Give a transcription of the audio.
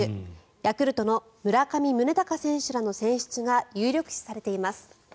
ヤクルトの村上宗隆選手らの選出が有力視されています。